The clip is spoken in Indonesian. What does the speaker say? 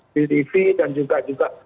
di tv dan juga juga